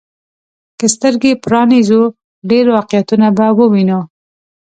که سترګي پرانيزو، ډېر واقعيتونه به ووينو.